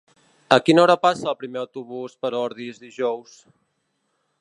A quina hora passa el primer autobús per Ordis dijous?